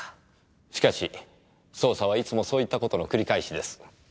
しかし捜査はいつもそういったことの繰り返しです。